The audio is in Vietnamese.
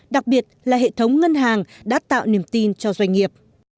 đặc biệt là hệ thống ngân hàng đã tạo niềm tin cho doanh nghiệp